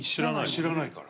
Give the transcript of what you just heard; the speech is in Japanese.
知らないから。